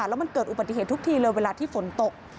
แล้วมันเกิดอุบัติเหตุทุกทีเลยเวลาที่ฝนตก